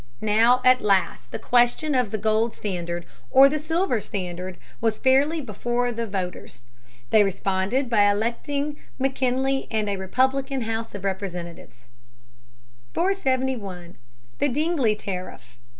Now, at last, the question of the gold standard or the silver standard was fairly before the voters. They responded by electing McKinley and a Republican House of Representatives. [Illustration: WILLIAM MCKINLEY.] [Sidenote: The Dingley tariff, 1897.